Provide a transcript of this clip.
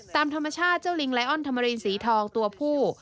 ตามธรรมชาติเจ้าลิงไลออนธรรมรินสีทองตัวผู้